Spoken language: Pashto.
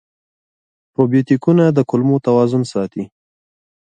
پروبیوتیکونه د کولمو توازن ساتي.